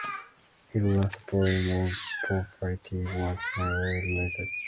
His last volume of poetry was "My Old Letters".